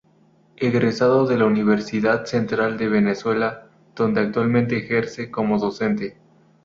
Egresado de la Universidad Central de Venezuela donde actualmente ejerce como docente.